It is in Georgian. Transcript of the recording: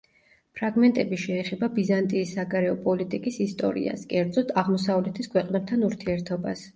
ფრაგმენტები შეეხება ბიზანტიის საგარეო პოლიტიკის ისტორიას, კერძოდ, აღმოსავლეთის ქვეყნებთან ურთიერთობას.